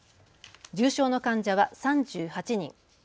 重症の患者は３８人。